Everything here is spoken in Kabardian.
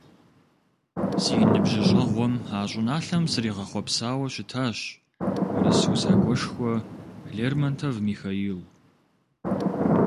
Си ныбжьыщӀэгъуэм а щӀыналъэм сригъэхъуэпсауэ щытащ урыс усакӀуэшхуэ Лермонтов Михаил.